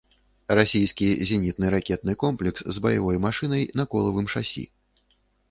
Расійскі зенітны ракетны комплекс з баявой машынай на колавым шасі.